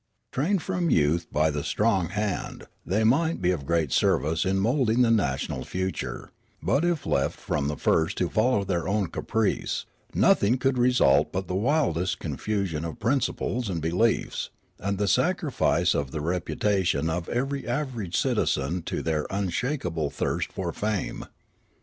Trained from youth b\' the strong hand, thej^ might be of great service in moulding the national future ; but if left from the first to follow their own caprice, nothing could result but the wildest confusion of prin ciples and beliefs, and the sacrifice of the reputation of every average citizen to their unslakable thirst for fame.